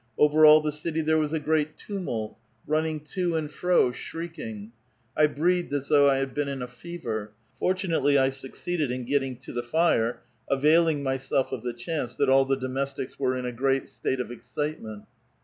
Over all the city there was a great tumult, running to and fro, shrieks. I breathed as though I had been in a fever. Fortunately I succeeded in getting to the fire, availing myself of tlie chance that all the domestics were in a great state of excitement.